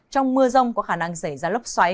trong mưa rông có khả năng xảy ra lốc xoáy